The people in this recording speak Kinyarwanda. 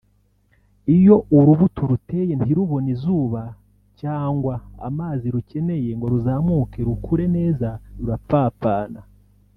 Iyo urubuto uruteye ntirubone izuba cyangwa amazi rukeneye ngo ruzamuke rukure neza rurapfapfana